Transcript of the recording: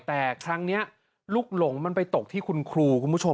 แต่ครั้งนี้ลุกหลงมันไปตกที่คุณครูคุณผู้ชม